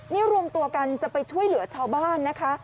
นี่รวมตัวกันจะไปช่วยเหลือชาวบ้านนะคะ